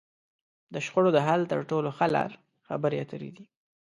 د شخړو د حل تر ټولو ښه لار؛ خبرې اترې دي.